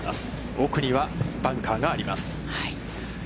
奥には、バンカーがあります。